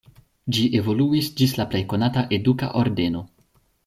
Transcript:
Ĝi evoluis ĝis la plej konata eduka ordeno.